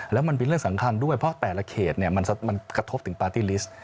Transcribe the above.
แล้วมันเป็นเรื่องสำคัญด้วยเพราะแต่ละเขตมันกระทบถึงปาร์ตี้ลิสต์